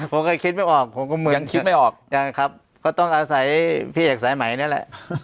ผมก็คิดไม่ออกต้องอาศัยมายละ